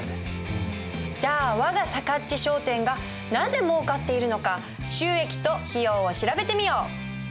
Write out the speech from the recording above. じゃあ我がさかっち商店がなぜもうかっているのか収益と費用を調べてみよう。